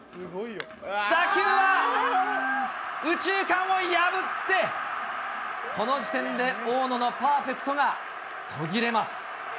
打球は右中間を破って、この時点で、大野のパーフェクトが途切れます。